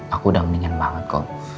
aku udah mendingan banget kok